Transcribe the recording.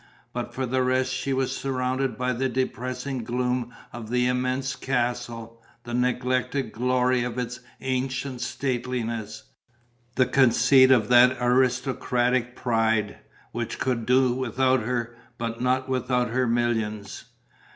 But for the rest she was surrounded by the depressing gloom of the immense castle, the neglected glory of its ancient stateliness, the conceit of that aristocratic pride, which could do without her but not without her millions.